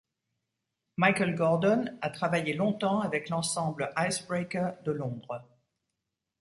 Michael Gordon a travaillé longtemps avec l'ensemble Icebreaker de Londres.